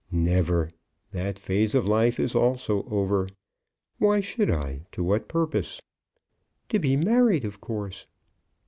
"Never! That phase of life is also over. Why should I? To what purpose?" "To be married, of course."